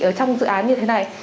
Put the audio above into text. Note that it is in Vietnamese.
ở trong dự án như thế này